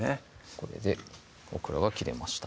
これでオクラが切れました